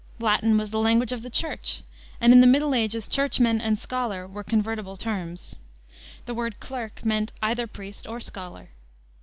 Latin was the language of the Church, and in the Middle Ages churchman and scholar were convertible terms. The word clerk meant either priest or scholar.